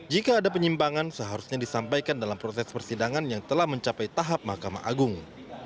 jika ada penyimpangan seharusnya disampaikan dalam proses persidangan yang telah mencapai tahap mahkamah agung